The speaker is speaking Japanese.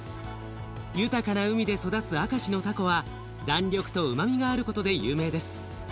豊かな海で育つ明石のたこは弾力とうまみがあることで有名です。